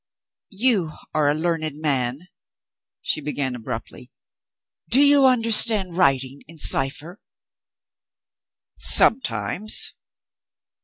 "You are a learned man," she began abruptly. "Do you understand writing in cipher?" "Sometimes."